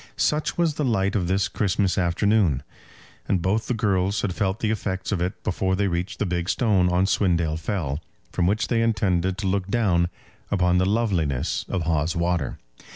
Such was the light of this Christmas afternoon, and both the girls had felt the effects of it before they reached the big stone on Swindale Fell, from which they intended to look down upon the loveliness of Hawes Water.